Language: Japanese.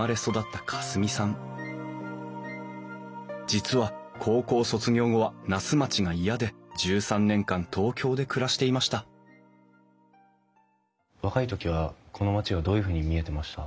実は高校卒業後は那須町が嫌で１３年間東京で暮らしていました若い時はこの町がどういうふうに見えてました？